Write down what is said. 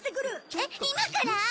えっ今から！？